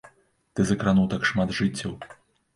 Ты закрануў так шмат жыццяў!